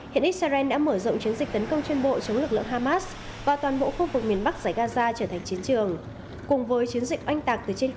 hiện israel đã mở rộng chiến dịch tấn công trên mộ đường mở rộng vào bên trong giải gaza